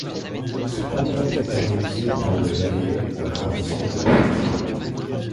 Ce canton était organisé autour de Mayet dans l'arrondissement de la Flèche.